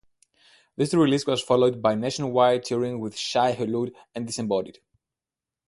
This release was followed by nationwide touring with Shai Hulud and Disembodied.